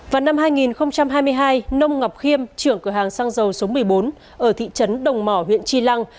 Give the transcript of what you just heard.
vào năm hai nghìn hai mươi hai nông ngọc khiêm trưởng cửa hàng xăng dầu số một mươi bốn ở thị trấn đồng mỏ huyện tri lăng